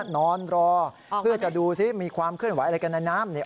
นอนรอเพื่อจะดูซิมีความเคลื่อนไหวอะไรกันในน้ำเนี่ย